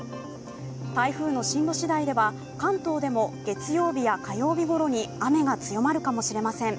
台風の進路しだいでは関東でも月曜日や火曜日ごろに雨が強まるかもしれません。